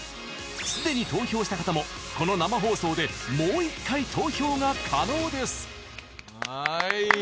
既に投票した方もこの生放送でもう一回、投票が可能です！